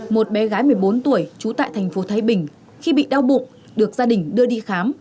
một bé gái một mươi bốn tuổi trú tại thành phố thái bình khi bị đau bụng được gia đình đưa đi khám